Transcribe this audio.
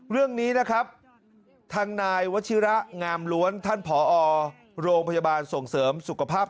เรื่องนี้นะครับทางนายวชิระงามล้วนท่านผอโรงพยาบาลส่งเสริมสุขภาพ